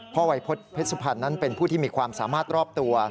วัยเพชรสุพรรณนั้นเป็นผู้ที่มีความสามารถรอบตัว